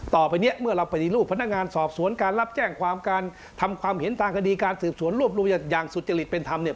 ต่อไปเนี่ยเมื่อเราปฏิรูปพนักงานสอบสวนการรับแจ้งความการทำความเห็นทางคดีการสืบสวนรวบรวมอย่างสุจริตเป็นธรรมเนี่ย